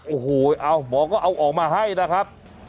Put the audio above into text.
โอ้โหเอาหมอก็เอาออกมาให้นะครับ